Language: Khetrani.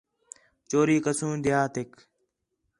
چوری کسوں دیہاتیک